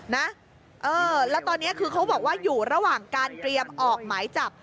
นะเออแล้วตอนนี้คือเขาบอกว่าอยู่ระหว่างการเตรียมออกหมายจับ